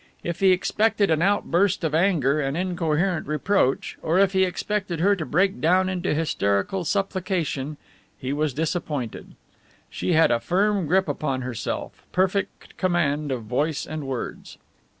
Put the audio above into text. If he expected an outburst of anger and incoherent reproach, or if he expected her to break down into hysterical supplication, he was disappointed. She had a firm grip upon herself, perfect command of voice and words.